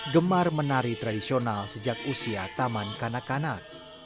gemar menari tradisional sejak usia taman kanak kanak